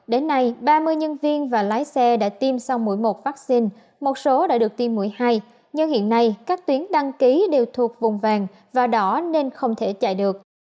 đến nay ba mươi nhân viên và lái xe đã tiêm xong mũi một vaccine một số đã được tiêm mũi hai nhưng hiện nay các tuyến đăng ký đều thuộc vùng vàng và đỏ nên không thể chạy được